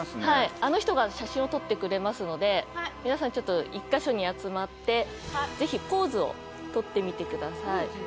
あの人が写真を撮ってくれますので皆さん１カ所に集まってぜひポーズをとってみてください。